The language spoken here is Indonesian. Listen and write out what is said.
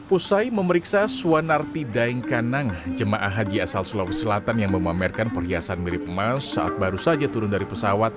usai memeriksa suwanarti daengkanang jemaah haji asal sulawesi selatan yang memamerkan perhiasan mirip emas saat baru saja turun dari pesawat